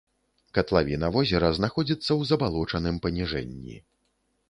Катлавіна возера знаходзіцца ў забалочаным паніжэнні.